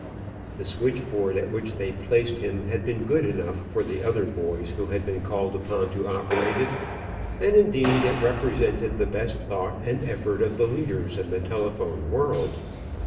The switchboard at which they placed him had been good enough for the other boys who had been called upon to operate it, and indeed it represented the best thought and effort of the leaders in the telephone world.